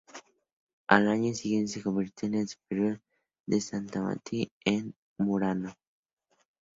Al año siguiente se convirtió en el superior de San Mattia en Murano.